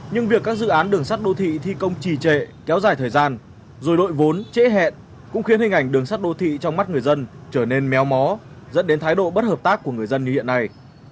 nhưng việc các dự án đường sắt đô thị thi công trì trệ kéo dài thời gian rồi đội vốn trễ hẹn cũng khiến hình ảnh đường sắt đô thị trong mắt người dân trở nên méo mó dẫn đến thái độ bất hợp tác của người dân như hiện nay